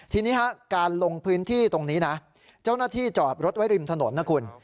ทีนี้การลงพื้นที่ตรงนี้นะเจ้าหน้าที่จอดรถไว้ริมถนนนะคุณ